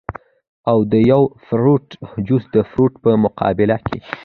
او د يو فروټ جوس د فروټ پۀ مقابله کښې